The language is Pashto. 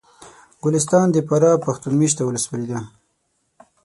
ګلستان د فراه پښتون مېشته ولسوالي ده